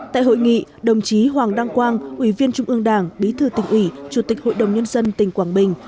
tại hội nghị đồng chí hoàng đăng quang ủy viên trung ương đảng bí thư tỉnh ủy chủ tịch hội đồng nhân dân tỉnh quảng bình